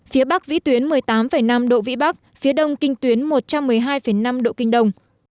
phía bắc vĩ tuyến một mươi tám năm độ vĩ bắc phía đông kinh tuyến một trăm một mươi hai năm độ kinh đông